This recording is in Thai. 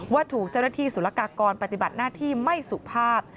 ว่าถูกเจ้าหน้าที่สุรกากรปฏิบัติหน้าที่ไม่สุภาพ